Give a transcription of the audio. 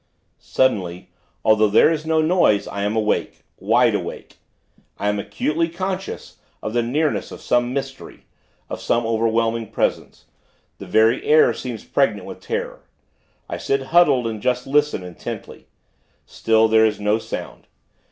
Suddenly, although there is no noise, I am awake wide awake. I am acutely conscious of the nearness of some mystery, of some overwhelming Presence. The very air seems pregnant with terror. I sit huddled, and just listen, intently. Still, there is no sound.